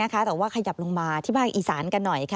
แต่ว่าขยับลงมาที่ภาคอีสานกันหน่อย